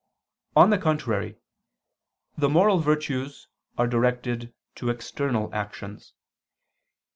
On the contrary, The moral virtues are directed to external actions.